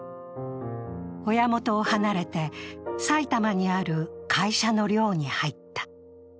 親元を離れて埼玉にある会社の寮に入った。